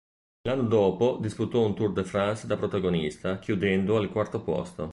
L'anno dopo disputò un Tour de France da protagonista, chiudendo al quarto posto.